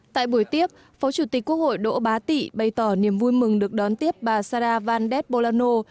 tại buổi tiếp phó chủ tịch quốc hội đỗ bá tị bày tỏ niềm vui mừng được đón tiếp bà saravandev bolano